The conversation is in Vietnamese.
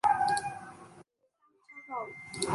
cố sao cho giỏi